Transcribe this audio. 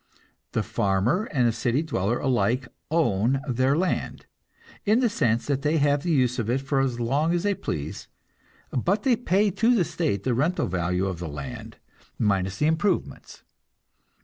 The farmer and the city dweller alike "own" their land, in the sense that they have the use of it for as long as they please, but they pay to the state the rental value of the land, minus the improvements.